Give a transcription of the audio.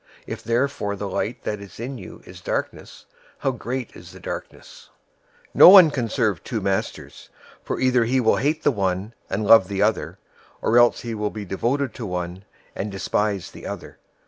If therefore the light that is in you is darkness, how great is the darkness! 006:024 "No one can serve two masters, for either he will hate the one and love the other; or else he will be devoted to one and despise the other.